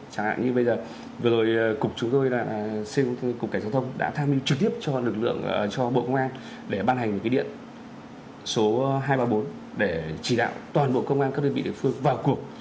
chẳng hạn như bây giờ vừa rồi cục chúng tôi là cục cảnh sát thông đã tham mưu trực tiếp cho lực lượng cho bộ công an để ban hành cái điện số hai trăm ba mươi bốn để chỉ đạo toàn bộ công an các đơn vị địa phương vào cuộc